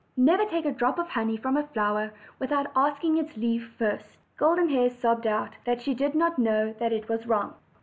/ never take a drop of honey from a flower without asking its leave first." Golden Hair sobbed out, "that she did not know it was wrong."